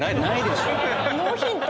ノーヒント！